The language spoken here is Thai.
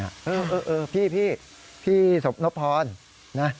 เออพี่พี่สมนพพรนะ